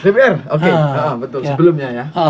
dpr oke betul sebelumnya ya